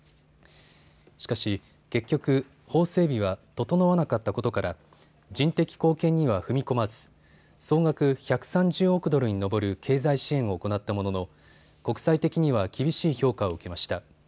しかし結局、法整備は整わなかったことから人的貢献には踏み込まず総額１３０億ドルに上る経済支援を行ったものの国際的には厳しい評価を受けました。